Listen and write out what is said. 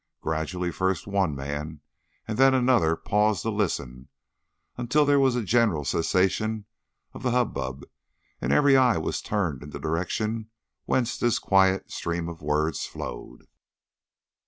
Gradually first one man and then another paused to listen, until there was a general cessation of the hubbub, and every eye was turned in the direction whence this quiet stream of words flowed.